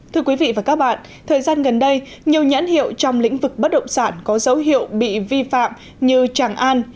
thưa quý vị và các bạn thời gian gần đây nhiều nhãn hiệu trong lĩnh vực bất động sản có dấu hiệu bị vi phạm như tràng an